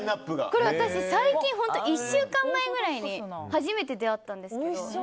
これ、私、最近１週間前ぐらいに初めて出会ったんですけど。